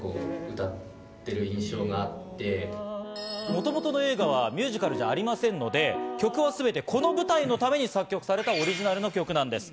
もともとの映画はミュージカルではありませんので、曲はすべてこの舞台のために作曲されたオリジナルの曲なんです。